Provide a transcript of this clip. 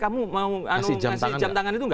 mau kasih jam tangan itu